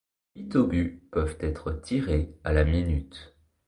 Huit obus peuvent être tirés à la minute.